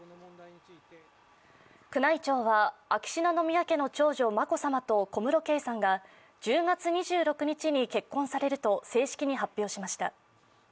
宮内庁は、秋篠宮家の長女・眞子さまと小室圭さんが１０月２６日に結婚されると正式に発表しました。